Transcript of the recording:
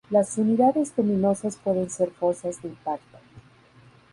Las unidades luminosas pueden ser fosas de impacto.